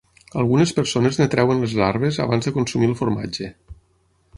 Algunes persones en treuen les larves abans de consumir el formatge.